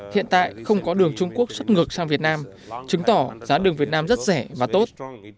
hiện tại không có đường trung quốc xuất ngược sang việt nam chứng tỏ giá đường việt nam rất rẻ và tốt